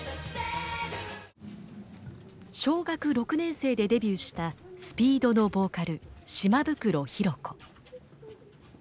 小学６年生でデビューしたＳＰＥＥＤのボーカル島袋寛子。